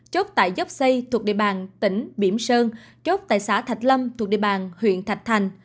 chốt tại dốc xây thuộc địa bàn tỉnh bỉm sơn chốt tại xã thạch lâm thuộc địa bàn huyện thạch thành